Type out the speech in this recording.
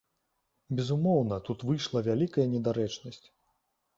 Безумоўна, тут выйшла вялікая недарэчнасць.